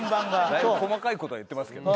だいぶ細かい事は言ってますけど。